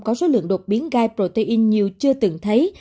có số lượng đột biến gai protein nhiều chưa từng thấy